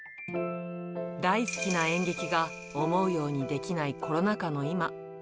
大好きな演劇が思うようにできないコロナ禍の今。